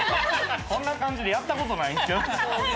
こんな感じでやった事ないんですけど。